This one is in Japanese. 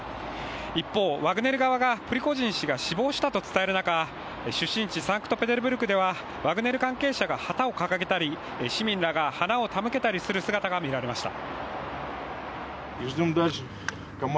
一方、ワグネル側がプリゴジン氏が死亡したと伝える中、出身地サンクトペテルブルクではワグネル関係者が旗を掲げたり市民らが花を手向けたりする姿が見られました。